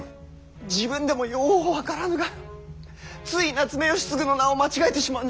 自分でもよう分からぬがつい夏目吉次の名を間違えてしまうんじゃ。